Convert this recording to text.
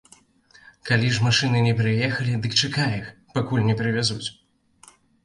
Калі ж машыны не прыехалі, дык чакай іх, пакуль не прывязуць.